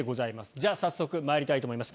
じゃあ早速まいりたいと思います。